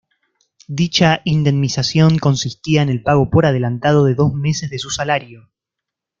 Dicha indemnización consistía en el pago por adelantado de dos meses de su salario.